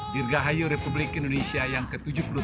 dirgahayu republik indonesia yang ke tujuh puluh tiga